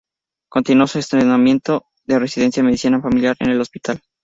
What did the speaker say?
Continuó su entrenamiento de residencia en medicina familiar en el Hospital St.